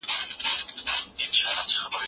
د انټرنیټي اسانتیاوو برابول د نوي عصر اړتیا ده.